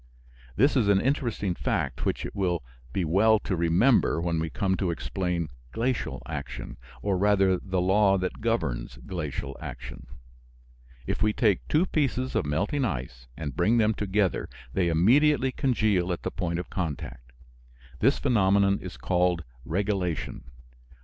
This is an interesting fact which it will be well to remember when we come to explain glacial action, or rather the law that governs glacial action. If we take two pieces of melting ice and bring them together they immediately congeal at the point of contact. This phenomenon is called "regelation."